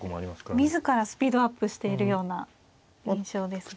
自らスピードアップしているような印象ですが。